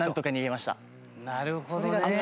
なるほどね。